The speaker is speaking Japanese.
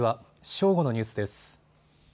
正午のニュースです。